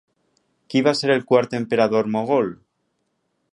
Qui va ser el quart emperador mogol?